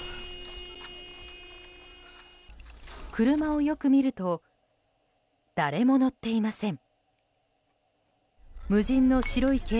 車をよく見ると誰も乗っていません。